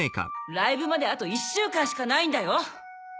ライブまであと１週間しかないんだよ！？